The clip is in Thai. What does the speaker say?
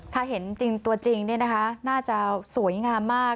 ถ้าเห็นตัวจริงนี่นะคะน่าจะสวยงามมาก